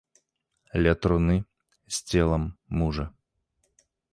Ля труны з целам мужа.